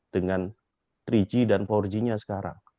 dengan tiga g dan empat g nya sekarang